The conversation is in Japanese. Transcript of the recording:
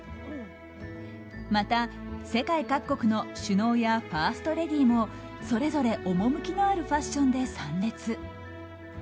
また、世界各国の首脳やファーストレディーもそれぞれ趣のあるファッションで参列。